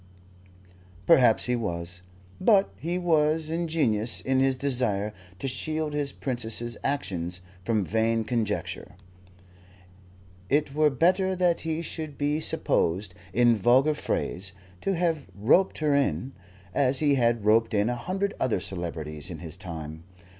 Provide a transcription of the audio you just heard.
Perhaps he was. But he was ingenuous in his desire to shield his Princess's action from vain conjecture. It were better that he should be supposed, in vulgar phrase, to have roped her in, as he had roped in a hundred other celebrities in his time.